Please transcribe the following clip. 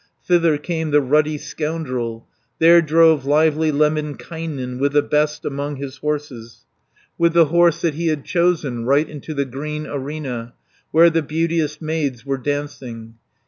Thither came the ruddy scoundrel, There drove lively Lemminkainen, With the best among his horses, With the horse that he had chosen, 200 Right into the green arena Where the beauteous maids were dancing.